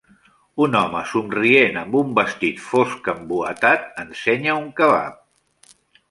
Un home somrient amb un vestit fosc embuatat ensenya un kebab.